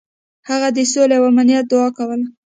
هغه د سولې او امنیت دعا کوله.